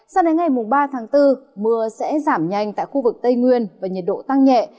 sau này ngày mùng ba tháng bốn mưa sẽ giảm nhanh tại khu vực tây nguyên và nhiệt độ tăng nhẹ